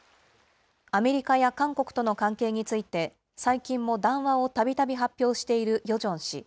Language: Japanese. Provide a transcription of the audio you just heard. アメリカや韓国との関係について、最近も談話をたびたび発表しているヨジョン氏。